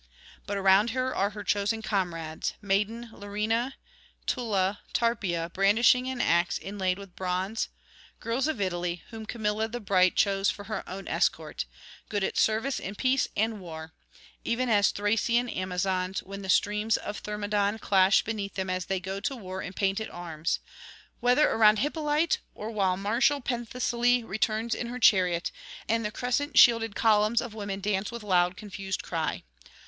But around her are her chosen comrades, maiden Larina, Tulla, Tarpeia brandishing an axe inlaid with bronze, girls of Italy, whom Camilla the bright chose for her own escort, good at service in peace and war: even as Thracian Amazons when the streams of Thermodon clash beneath them as they go to war in painted arms, whether around Hippolyte, or while martial Penthesilea returns in her chariot, and the crescent shielded columns of women dance with loud confused cry.